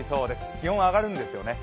気温は上がるんですよね。